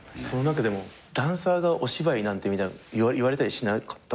「ダンサーがお芝居なんて」みたいな言われたりしなかった？